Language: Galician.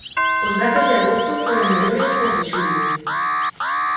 Os datos de agosto foron mellores cós de xullo.